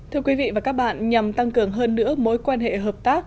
thưa quý vị và các bạn nhằm tăng cường hơn nữa mối quan hệ hợp tác